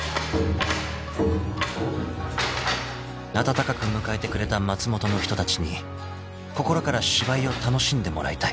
［温かく迎えてくれた松本の人たちに心から芝居を楽しんでもらいたい］